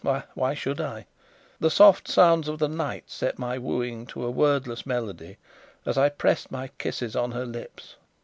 Why should I? The soft sounds of the night set my wooing to a wordless melody, as I pressed my kisses on her lips.